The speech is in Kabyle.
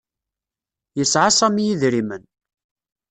Yesɛa Sami idrimen.